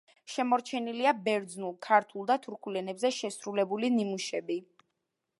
შემორჩენილია ბერძნულ, ქართულ და თურქულ ენებზე შესრულებული ნიმუშები.